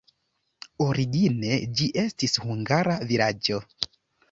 Origine ĝi estis hungara vilaĝo.